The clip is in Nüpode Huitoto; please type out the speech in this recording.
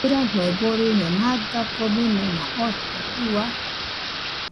ɨrafue boriño naga komɨnɨna ote, Ua